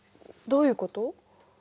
どういうこと？